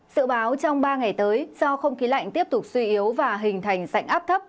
sự báo trong ba ngày tới do không khí lạnh tiếp tục suy yếu và hình thành sạnh áp thấp